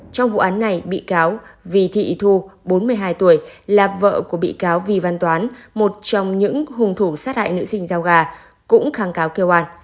trong vụ án này bị cáo vì thị thu bốn mươi hai tuổi là vợ của bị cáo vì văn toán một trong những hùng thủ sát hại nữ sinh giao gà cũng kháng cáo kêu an